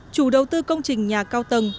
chủ đầu tư công trình nhà cao tầng